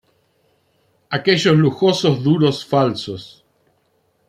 Aquellos lujosos duros falsos".